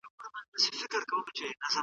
ماشومان د والدینو له احساساتو زده کوي.